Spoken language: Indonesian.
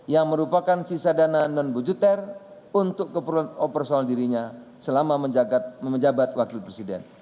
yang merupakan sisa dana non bujuter untuk keperluan opersoal dirinya selama menjabat wakil presiden